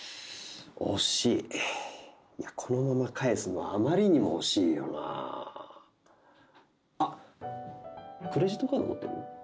惜しいいやこのまま帰すのはあまりにも惜しいよなあっクレジットカード持ってる？